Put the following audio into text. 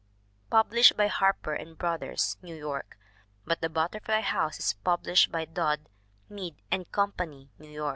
Published by Harper & Brothers, New York; but The Butterfly House is published by Dodd, Mead & Company, New York.